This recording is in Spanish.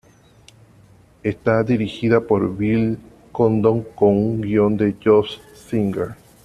Está dirigida por Bill Condon con un guion de Josh Singer.